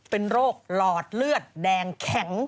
เป็นโรคหลอดเลือดแดงแข็ง